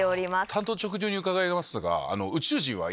単刀直入に伺いますが。